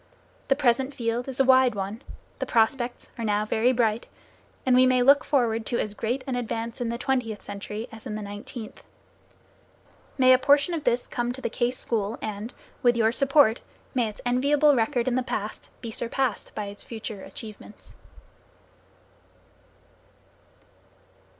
The present field is a wide one, the prospects are now very bright, and we may look forward to as great an advance in the twentieth century, as in the nineteenth. May a portion of this come to the Case School and, with your support, may its enviable record, in the past, be surpassed by its future achievements.